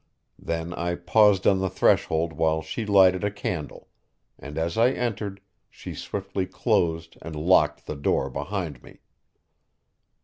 Then I paused on the threshold while she lighted a candle; and as I entered, she swiftly closed and locked the door behind me.